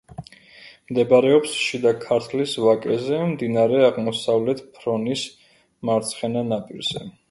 მდებარეობს შიდა ქართლის ვაკეზე, მდინარე აღმოსავლეთ ფრონის მარცხენა ნაპირზე.